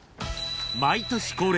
［毎年恒例